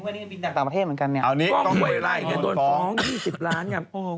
พวกนี้ก็บินจากต่างประเทศเหมือนกันเนี่ยฟ้อง๒๐ล้านเนี่ยโอ้โฮ